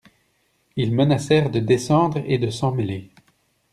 Ils menacèrent de descendre et de s'en mêler.